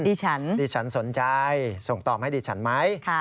ดิฉันดิฉันสนใจส่งต่อมาให้ดิฉันไหม